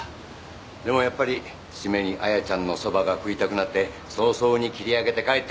でもやっぱり締めに綾ちゃんのそばが食いたくなって早々に切り上げて帰って参りました。